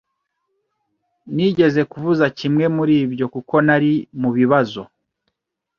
Nigeze kuvuza kimwe muri ibyo kuko nari mubibazo